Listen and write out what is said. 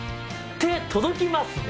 手届きますね。